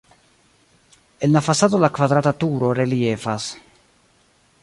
En la fasado la kvadrata turo reliefas.